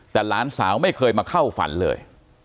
แต่หลานสาวไม่เคยมาเข้าฝันเลย